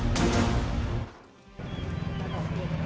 เพลง